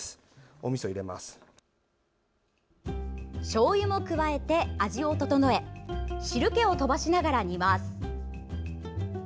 しょうゆも加えて味を調え汁けをとばしながら煮ます。